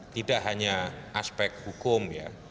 tidak hanya aspek hukum ya